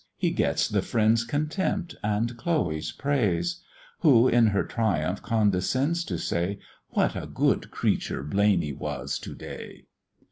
He gets the friend's contempt and Chloe's praise, Who, in her triumph, condescends to say, "What a good creature Blaney was to day!"